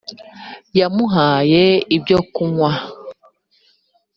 yamuhaye ibyokunywa .